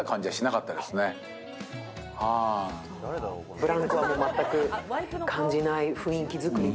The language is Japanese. ブランクは全く感じない雰囲気作りで？